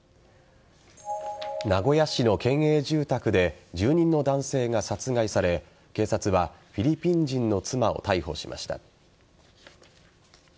名古屋市の県営住宅で住人の男性が殺害され警察はフィリピン人の妻を逮捕しました。